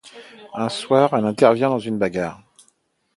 Un soir, elle intervient dans une bagarre.